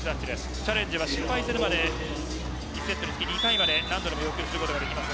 チャレンジは失敗するまで１セットにつき２回まで何度も要求することができます。